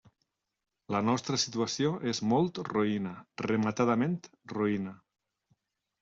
La nostra situació és molt roïna, rematadament roïna.